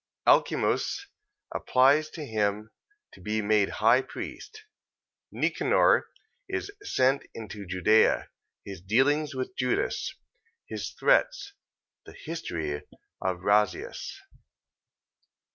Alcimus applies to him to be made high priest: Nicanor is sent into Judea: his dealings with Judas: his threats. The history of Razias.